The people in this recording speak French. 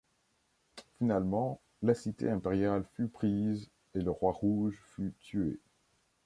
Finalement, la cité impériale fut prise et le Roi Rouge fut tué.